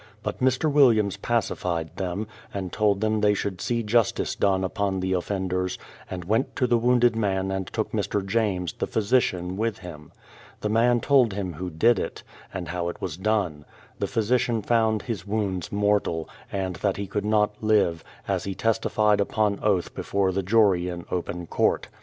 But Mr. Williams pacified them, and told them they should see justice done upon the offenders, and went to the wounded man and took Mr. James, the physician, with him. The man told him who did it, and how it was done. The physician found his wounds mortal, and that he could not live, as he testified upon oath before the jury in open court.